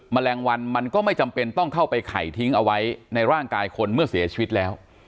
แมลงวันมันก็ไม่จำเป็นต้องเข้าไปไข่ทิ้งเอาไว้ในร่างกายคนเมื่อเสียชีวิตแล้ว